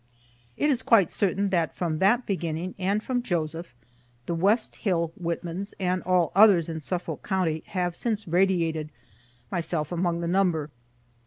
It is quite certain that from that beginning, and from Joseph, the West Hill Whitmans, and all others in Suffolk county, have since radiated, myself among the number.